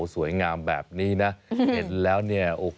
สวยงามแบบนี้นะเห็นแล้วเนี่ยโอ้โห